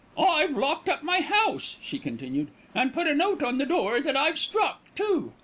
"I've locked up my house," she continued, "and put a note on the door that I've struck too."